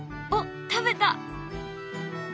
おっ食べた。